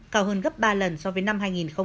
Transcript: cao hơn gấp ba lần so với năm hai nghìn một mươi